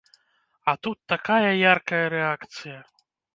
А тут такая яркая рэакцыя!